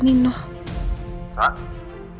bukin tempat buat acara nino